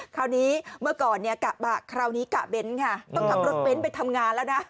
คราวนี้เมื่อก่อนเนี่ยกะบะคราวนี้กะเบ้นค่ะต้องขับรถเบ้นไปทำงานแล้วนะ